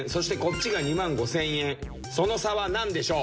その差は何でしょう？